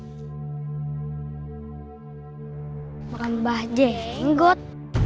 ke makam mbah jenggot